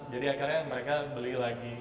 jadi akhirnya mereka beli lagi